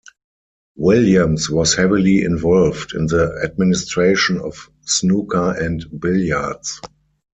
Williams was heavily involved in the administration of snooker and billiards.